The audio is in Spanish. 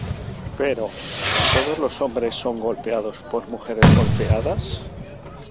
Pero, ¿todos los hombres son golpeados por mujeres golpeadas?